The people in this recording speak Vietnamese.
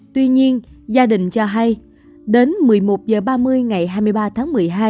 tuy nhiên gia đình cho hay đến một mươi một h ba mươi ngày hai mươi ba tháng một mươi hai